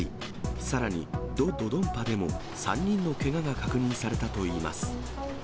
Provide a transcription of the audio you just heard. さらにド・ドドンパでも３人のけがが確認されたといいます。